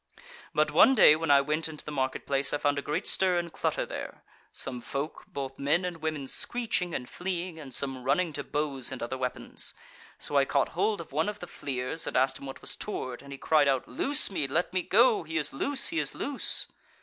"But one day when I went into the market place I found a great stir and clutter there; some folk, both men and women screeching and fleeing, and some running to bows and other weapons. So I caught hold of one of the fleers, and asked him what was toward; and he cried out, 'Loose me! let me go! he is loose, he is loose!'